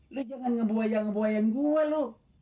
lu jangan ngebuaya ngebuayan gua loh